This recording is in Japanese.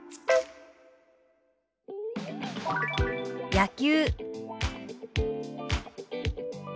「野球」。